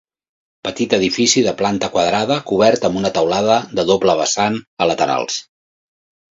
Petit edifici de planta quadrada cobert amb una teulada de doble vessant a laterals.